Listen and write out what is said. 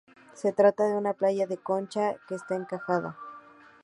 Se trata de una playa de concha y está encajada.